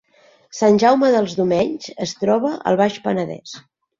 Sant Jaume dels Domenys es troba al Baix Penedès